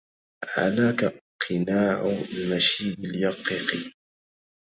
علاك قناع المشيب اليقق